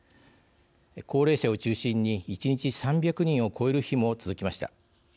高齢者を中心に１日３００人を超える日も続きました。